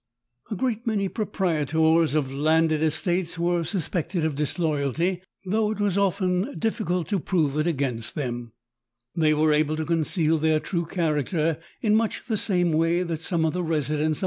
A great many proprietors of landed estates were suspeeted of disloyalty, though it was often diffieult to prove it against them. They were able to eoneeal their true eharacter in mueh the same way that some of the residents of lOG THE TALKING HANDKERCHIEF.